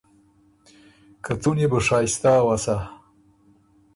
که څُون يې بو شائستۀ اؤسا۔